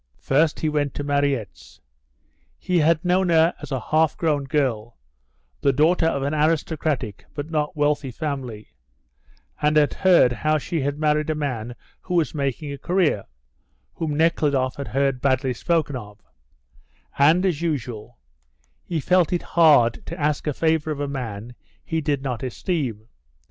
First he went to Mariette's. He had known her as a half grown girl, the daughter of an aristocratic but not wealthy family, and had heard how she had married a man who was making a career, whom Nekhludoff had heard badly spoken of; and, as usual, he felt it hard to ask a favour of a man he did not esteem.